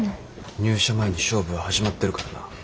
入社前に勝負は始まってるからな。